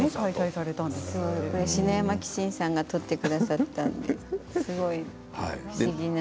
篠山紀信さんが撮ってくださったんですごいすてきな。